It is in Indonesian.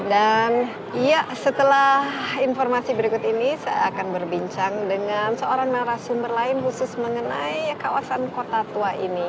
dan setelah informasi berikut ini saya akan berbincang dengan seorang narasumber lain khusus mengenai kawasan kota tua ini